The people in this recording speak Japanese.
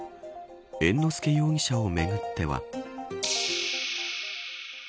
猿之助容疑者をめぐっては。